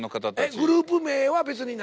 グループ名は別にない？